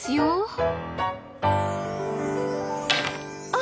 あ！